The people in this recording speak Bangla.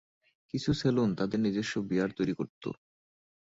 কিছু সেলুন তাদের নিজস্ব বিয়ার তৈরি করত।